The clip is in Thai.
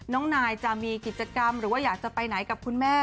น้องนายจะมีกิจกรรมหรือว่าอยากจะไปไหนกับคุณแม่